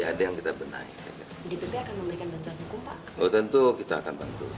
jika sehat demographics aku adalah tujuh belas